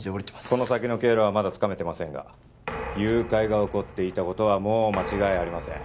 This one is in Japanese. この先の経路はまだつかめてませんが誘拐が起こっていたことはもう間違いありません